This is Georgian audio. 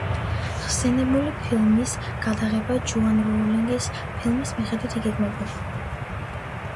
ხსენებული ფილმის გადაღება ჯოან როულინგის წიგნის მიხედვით იგეგმებოდა.